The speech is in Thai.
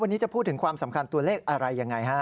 วันนี้จะพูดถึงความสำคัญตัวเลขอะไรยังไงฮะ